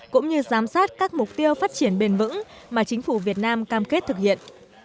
cũng như giám sát các mục tiêu phát triển bền vững mà chính phủ việt nam cam kết thực hiện